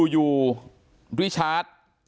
อยู่ริชาร์จ